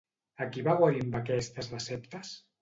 A qui va guarir amb aquestes receptes?